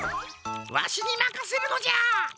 わしにまかせるのじゃ！